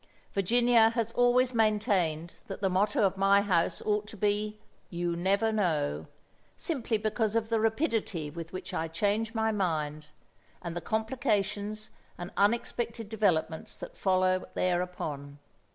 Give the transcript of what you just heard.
Virginia has always maintained that the motto of my house ought to be "YOU NEVER KNOW," simply because of the rapidity with which I change my mind, and the complications and unexpected developments that follow thereupon.